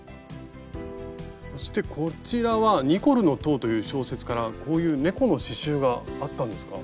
そしてこちらは「ニコルの塔」という小説からこういう猫の刺しゅうがあったんですか？